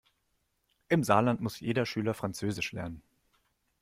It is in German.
Im Saarland muss jeder Schüler französisch lernen.